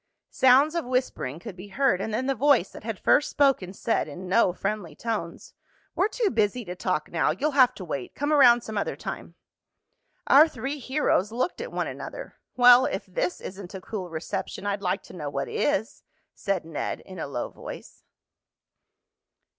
Sounds of whispering could be heard, and then the voice that had first spoken said in no friendly tones: "We're too busy to talk now. You'll have to wait. Come around some other time." Our three heroes looked at one another. "Well, if this isn't a cool reception I'd like to know what is," said Ned in a low voice.